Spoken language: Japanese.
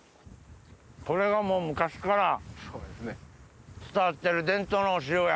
これがもう昔から伝わってる伝統のお塩や。